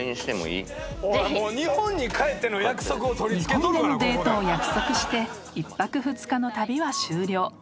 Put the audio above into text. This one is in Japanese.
［日本でのデートを約束して１泊２日の旅は終了］